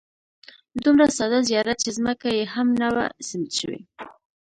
دومره ساده زیارت چې ځمکه یې هم نه وه سیمټ شوې.